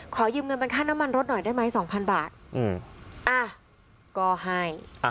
ขอยืมเงินเป็นค่าน้ำมันรถหน่อยได้ไหมสองพันบาทก็ให้